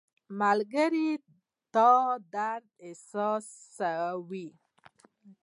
• ملګری د تا درد احساسوي.